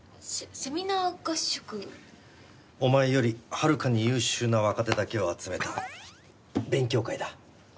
お前よりはるかに優秀な若手だけを集めた勉強会だ。